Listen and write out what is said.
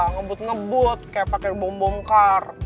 ngebut ngebut kayak pake bom bom kar